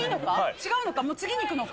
違うのか、次に行くのか？